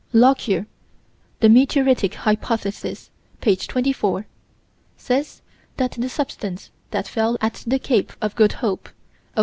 Lockyer (The Meteoric Hypothesis, p. 24) says that the substance that fell at the Cape of Good Hope, Oct.